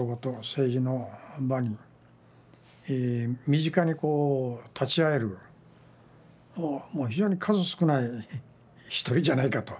政治の場に身近にこう立ち会えるもう非常に数少ない一人じゃないかと。